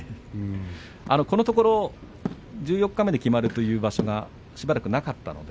このところ十四日目で決まるという場所がしばらくなかったので。